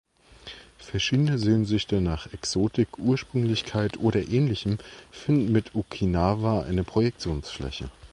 Verschiedene Sehnsüchte nach Exotik, Ursprünglichkeit oder ähnlichem finden mit Okinawa eine Projektionsfläche.